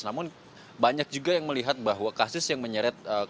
namun banyak juga yang melihat bahwa kasus yang menyeret ketua umum partai